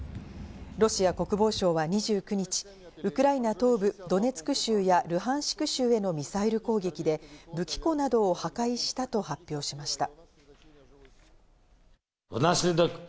ロシア国防省は２９日、ウクライナ東部ドネツク州やルハンシク州へのミサイル攻撃で、武器庫などを破壊したと発表しました。